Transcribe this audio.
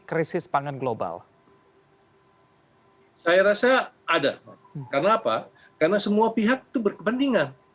krisis pangan global hai saya rasa ada karena apa karena semua pihak itu berkepentingan